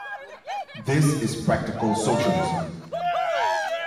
This is practical socialism.